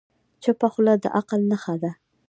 چپه خوله، د عقل نښه ده.